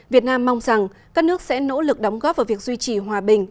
việt nam mong rằng các nước sẽ nỗ lực đóng góp vào việc duy trì hòa bình